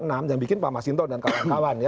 jangan bikin pak mas hinto dan kawan kawan ya